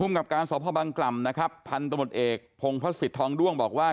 ภูมิกับการสอบพ่อบังกล่ำนะครับพันธุ์ตมติเอกพงภศิษฐองด้วงบอกว่า